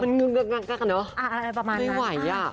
มันเงินเงินเงินเงินเงินเนอะไม่ไหวอ่ะ